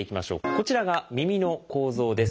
こちらが耳の構造です。